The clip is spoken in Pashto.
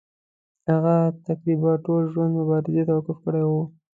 هغه تقریبا ټول ژوند مبارزې ته وقف کړی وو.